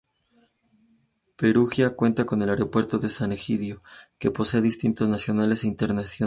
Perugia cuenta con el Aeropuerto de San Egidio, que posee destinos nacionales e internacionales.